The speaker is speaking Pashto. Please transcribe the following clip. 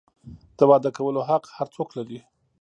د واده کولو حق هر څوک لري.